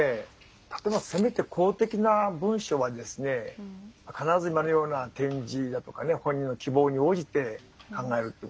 例えばせめて公的な文書は必ず今のような点字だとか本人の希望に応じて考えるってことで。